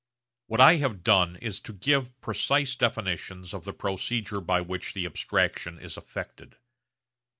What I have done is to give precise definitions of the procedure by which the abstraction is effected.